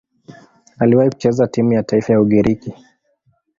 Aliwahi kucheza timu ya taifa ya Ugiriki.